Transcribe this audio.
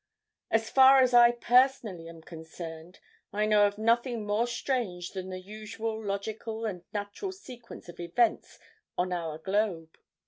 As far as I personally am concerned, I know of nothing more strange than the usual logical and natural sequence of events on our globe.